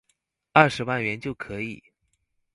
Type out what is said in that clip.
二十萬元就可以